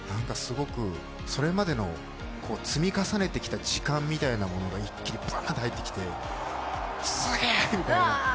それまでの積み重ねてきた時間みたいなものが一気にバーっと入ってきて、すげー！みたいな。